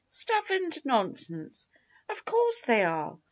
"Stuff and nonsense! Of course they are!"